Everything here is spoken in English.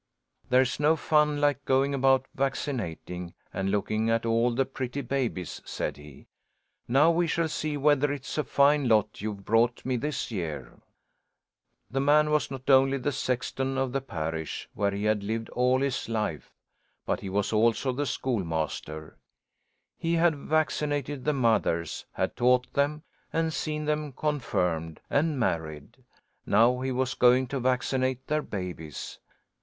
"There's no fun like going about vaccinating and looking at all the pretty babies," said he. "Now we shall see whether it's a fine lot you've brought me this year." The man was not only the sexton of the parish, where he had lived all his life, but he was also the schoolmaster. He had vaccinated the mothers, had taught them, and seen them confirmed and married. Now he was going to vaccinate their babies.